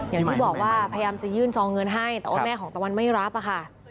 อย่างที่บอกว่าพยายามจะยื่นจองเงินให้แต่ว่าแม่ของตะวันไม่รับอะค่ะ